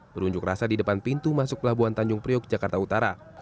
berunjuk rasa di depan pintu masuk pelabuhan tanjung priok jakarta utara